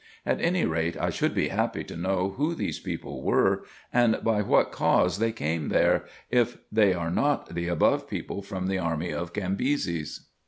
At any rate, I should be happy to know who these people were, and by what cause they came there, if they are not the above people from the army of Cambyses.